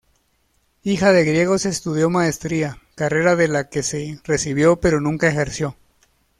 Hija de griegos, estudió maestría, carrera de la que se recibió pero nunca ejerció.